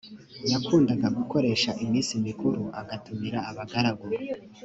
yakundaga gukoresha iminsi mikuru agatumira abagaragu